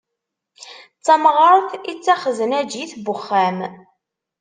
D tamɣart i d taxeznaǧit n uxxam.